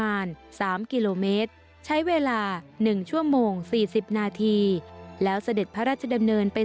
ระยะกว่าประมาณ๓กิโลเมตร